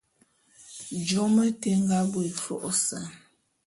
Jôm éte é nga bo é fô'ôsan.